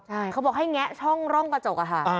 ใช่เขาบอกให้แงะช่องร่องกระจกอะค่ะ